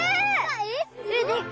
でっか！